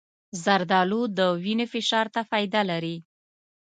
زردالو د وینې فشار ته فایده لري.